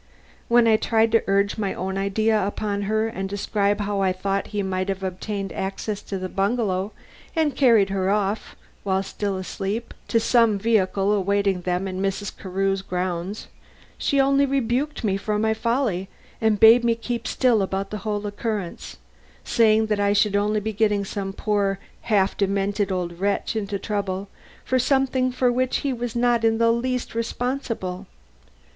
When I tried to urge my own idea upon her and describe how I thought he might have obtained access to the bungalow and carried her off, while still asleep, to some vehicle awaiting them in Mrs. Carew's grounds, she only rebuked me for my folly and bade me keep still about the whole occurrence, saying that I should only be getting some poor half demented old wretch into trouble for something for which he was not in the least responsible."